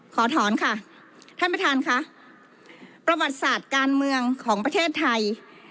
ขอถอนค่ะท่านประธานค่ะประวัติศาสตร์การเมืองของประเทศไทย